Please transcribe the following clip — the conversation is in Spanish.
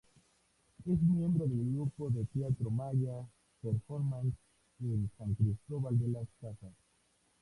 Es miembro del grupo de teatro maya "Performance" en San Cristóbal de las Casas.